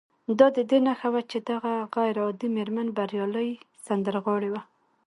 دا د دې نښه وه چې دغه غير عادي مېرمن بريالۍ سندرغاړې وه